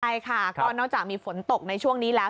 ใช่ค่ะก็นอกจากมีฝนตกในช่วงนี้แล้ว